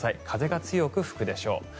風が強く吹くでしょう。